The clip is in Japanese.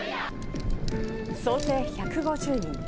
総勢１５０人。